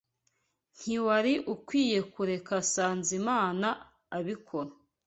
Ntiwari ukwiye kureka Sanzimana abikora.